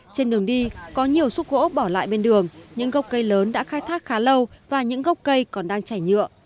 trên đường đi có nhiều xúc gỗ bỏ lại bên đường những gốc cây lớn đã khai thác khá lâu và những gốc cây còn đang chảy nhựa